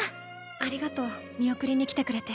ありがとう見送りに来てくれて。